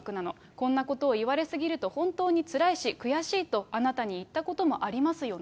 こんなことを言われすぎると本当につらいし、悔しいとあなたに言ったこともありますよね。